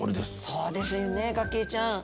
そうですよねガキィちゃん。